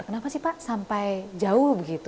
kenapa sih pak sampai jauh begitu